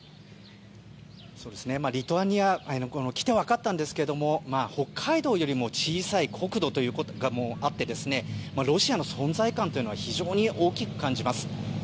リトアニアに来て分かったんですけれども北海道よりも小さい国土ということもあってロシアの存在感というのは非常に大きく感じます。